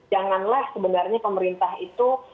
janganlah sebenarnya pemerintah itu